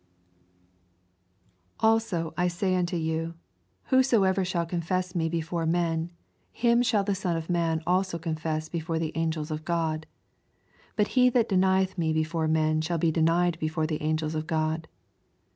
8 Also I say unto you, Whosoever shall ooufess me before men, him shall the son of man also confess be fore the angels of God. 9 Bat he that denieth me before men shall be denied before the angels of God.